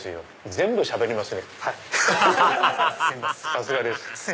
さすがです。